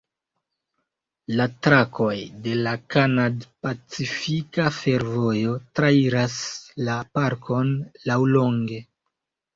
La trakoj de la Kanad-Pacifika Fervojo trairas la parkon laŭlonge.